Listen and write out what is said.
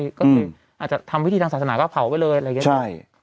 ก็คืออาจจะทำพิธีทางศาสนาก็เผาไปเลยอะไรอย่างนี้ใช่